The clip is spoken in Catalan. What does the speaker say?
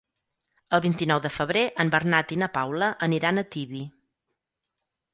El vint-i-nou de febrer en Bernat i na Paula aniran a Tibi.